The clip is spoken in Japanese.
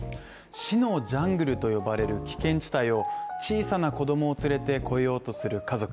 死のジャングルと呼ばれる危険地帯を小さな子供を連れてこようとする家族。